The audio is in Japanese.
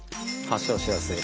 発症しやすい。